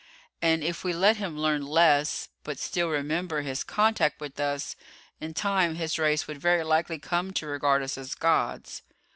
And if we let him learn less, but still remember his contact with us, in time his race would very likely come to regard us as gods.